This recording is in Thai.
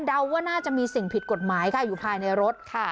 ว่าน่าจะมีสิ่งผิดกฎหมายค่ะอยู่ภายในรถค่ะ